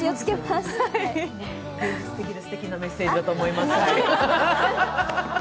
すてきなメッセージだと思います。